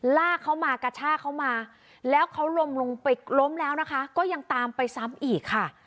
ลากเขามากระชากเขามาแล้วเขาล้มลงไปล้มแล้วนะคะก็ยังตามไปซ้ำอีกค่ะ